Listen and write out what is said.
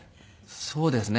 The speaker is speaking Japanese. そうですね。